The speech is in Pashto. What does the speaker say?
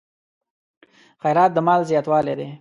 خیرات د مال زیاتوالی دی.